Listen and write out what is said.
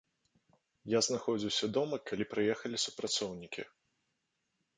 Я знаходзіўся дома, калі прыехалі супрацоўнікі.